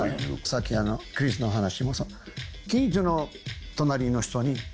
さっきクリスの話もそう。